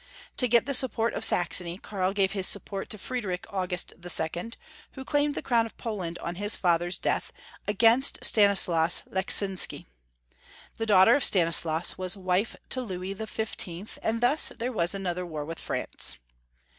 To get the support of Saxony, Karl gave his sup port to Friedrich August II., who claimed the crown of Poland on his father's death, against Stanislas Lecksinsky. The daughter of Stanislas was wife to Louis the XV., and thus there was another war with France.